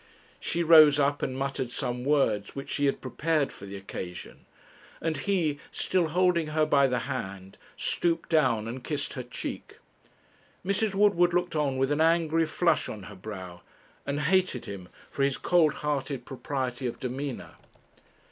She rose up and muttered some words which she had prepared for the occasion, and he, still holding her by the hand, stooped down and kissed her cheek. Mrs. Woodward looked on with an angry flush on her brow, and hated him for his cold hearted propriety of demeanour.